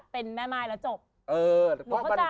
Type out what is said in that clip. เป็นแม่ม่ายแล้วจบ